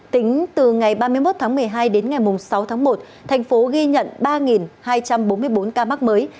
tính từ ngày ba mươi một tháng một mươi hai đến ngày sáu tháng một thành phố ghi nhận ba hai trăm bốn mươi bốn ca mắc mới